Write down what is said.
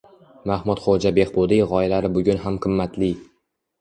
Mahmudxo‘ja Behbudiy g‘oyalari bugun ham qimmatli